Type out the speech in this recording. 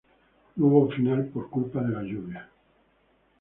No hubo final por culpa de la lluvia.